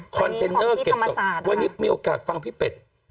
เทนเนอร์เก็บศพวันนี้มีโอกาสฟังพี่เป็ด